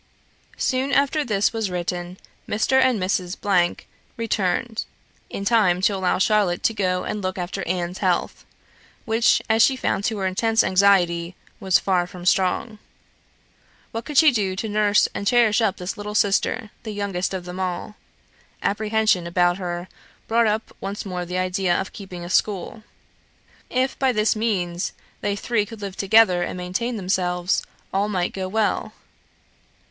Soon after this was written, Mr. and Mrs. returned, in time to allow Charlotte to go and look after Anne's health, which, as she found to her intense anxiety, was far from strong. What could she do to nurse and cherish up this little sister, the youngest of them all? Apprehension about her brought up once more the idea of keeping a school. If, by this means, they three could live together, and maintain themselves, all might go well.